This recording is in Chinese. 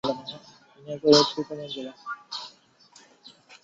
他们将其藏在一个玩具遥控车内并通过了旧金山国际机场的安全检查。